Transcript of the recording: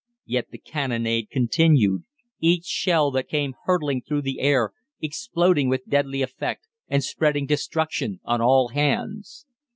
Yet the cannonade continued, each shell that came hurtling through the air exploding with deadly effect and spreading destruction on all hands.